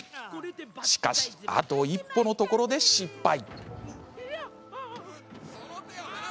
しかし、あと一歩のところで失敗。